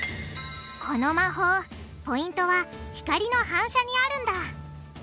この魔法ポイントは光の反射にあるんだ。